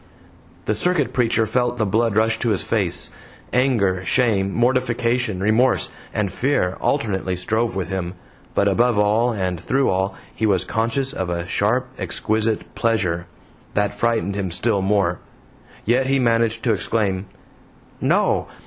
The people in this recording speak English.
The circuit preacher felt the blood rush to his face. Anger, shame, mortification, remorse, and fear alternately strove with him, but above all and through all he was conscious of a sharp, exquisite pleasure that frightened him still more. Yet he managed to exclaim: "No!